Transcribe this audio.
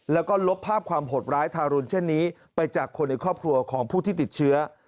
แล้วก็ลบภาพความหดร้ายทารุณเช่นนี้ไปจากคนในครอบครัวของผู้ที่ติดเชื้อ